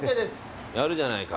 やるじゃないか。